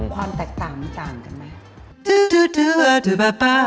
ความแตกต่างมันต่างกันไหม